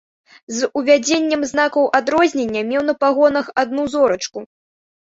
З увядзеннем знакаў адрознення меў на пагонах адну зорачку.